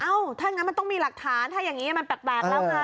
ถ้างั้นมันต้องมีหลักฐานถ้าอย่างนี้มันแปลกแล้วไง